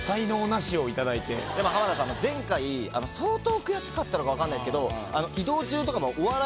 でも浜田さん前回相当悔しかったのか分かんないですけど。